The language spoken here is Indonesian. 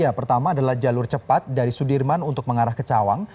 ya pertama adalah jalur cepat dari sudirman untuk mengarah ke cawang